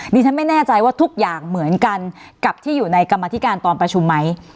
ดิฉันไม่แน่ใจว่าทุกอย่างเหมือนกันกับที่อยู่ในกรรมธิการตอนประชุมไหม